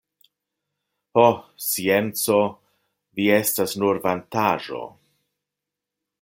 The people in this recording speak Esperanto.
Ho! scienco, vi estas nur vantaĵo!